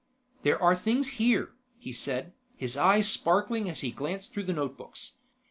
"There are things here," he said, his eyes sparkling as he glanced through the notebooks.